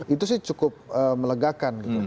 itu sih cukup melegakan